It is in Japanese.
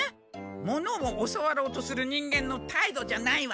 物を教わろうとする人間のたいどじゃないわ。